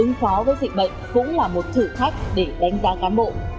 ứng phó với dịch bệnh cũng là một thử thách để đánh giá cán bộ